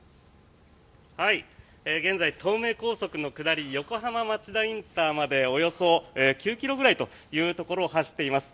現在、東名高速の下り横浜町田ＩＣまでおよそ９ｋｍぐらいというところを走っています。